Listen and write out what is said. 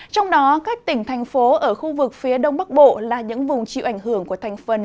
trong đó các tỉnh thành phố ở khu vực phía đông bắc bộ là những vùng chịu ảnh hưởng của thành phần